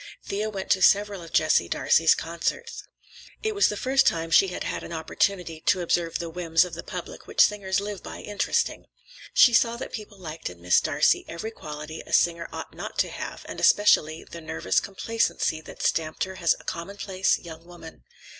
Thea went to several of Jessie Darcey's concerts. It was the first time she had had an opportunity to observe the whims of the public which singers live by interesting. She saw that people liked in Miss Darcey every quality a singer ought not to have, and especially the nervous complacency that stamped her as a commonplace young woman.